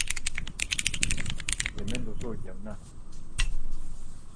Hemen duzu, jauna.